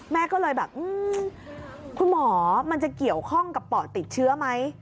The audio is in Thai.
แม่ก็เลยแบบคุณหมอมันจะเกี่ยวข้องกับปอดติดเชื้อไหม